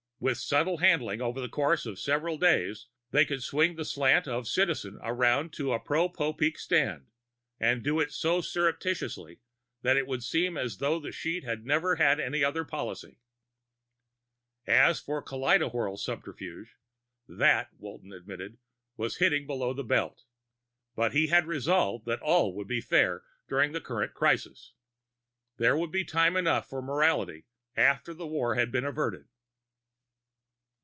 With subtle handling over the course of several days, they could swing the slant of Citizen around to a pro Popeek stand, and do it so surreptitiously that it would seem as though the sheet had never had any other policy. As for the kaleidowhirl subterfuge that, Walton admitted, was hitting below the belt. But he had resolved that all would be fair during the current crisis. There would be time enough for morality after war had been averted.